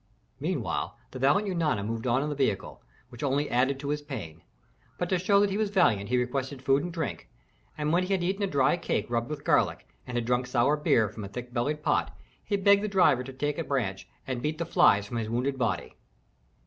Meanwhile the valiant Eunana moved on in the vehicle, which only added to his pain. But to show that he was valiant he requested food and drink; and when he had eaten a dry cake rubbed with garlic and had drunk sour beer from a thick bellied pot, he begged the driver to take a branch and drive the flies from his wounded body.